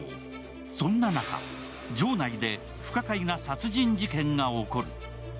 そんな中、城内で不可解な殺人事件が起こる。